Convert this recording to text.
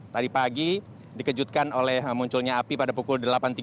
tadi pagi dikejutkan oleh munculnya api pada pukul delapan tiga puluh